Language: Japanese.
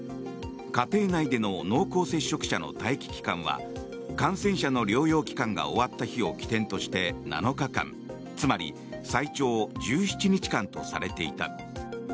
家庭内での濃厚接触者の待機期間は感染者の療養期間が終わった日を起点として７日間つまり最長１７日間とされていた。